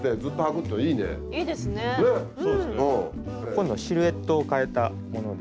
今度シルエットを変えたもので。